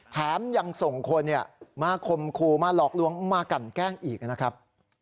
แถมยังส่งคนมาคมคู่มาหลอกลวงมากันแกล้งอีกนะครับ